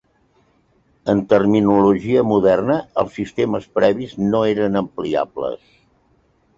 En terminologia moderna, els sistemes previs no eren "ampliables".